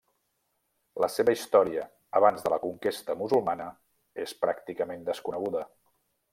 La seva història abans de la conquesta musulmana és pràcticament desconeguda.